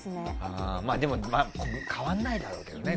でも、変わらないだろうけどね